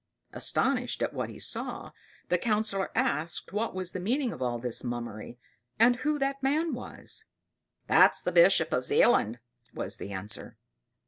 Astonished at what he saw, the Councillor asked what was the meaning of all this mummery, and who that man was. "That's the Bishop of Zealand," was the answer.